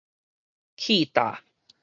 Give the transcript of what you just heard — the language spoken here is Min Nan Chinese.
氣罩